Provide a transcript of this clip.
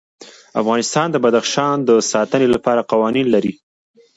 افغانستان د بدخشان د ساتنې لپاره قوانین لري.